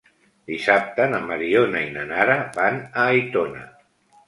Dissabte na Mariona i na Nara van a Aitona.